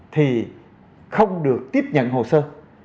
thì không được tiếp nhận hồ sơ